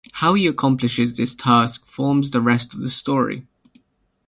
How he accomplishes his task forms the rest of the story.